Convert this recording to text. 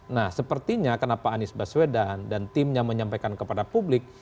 nah sepertinya kenapa anies baswedan dan timnya menyampaikan kepada publik